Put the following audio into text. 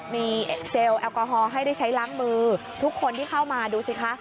มีเจลแอลกอฮอล์ให้ได้ใช้ล้างมือทุกคนที่เข้ามาดูสิคะ